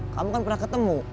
kamu kan pernah ketemu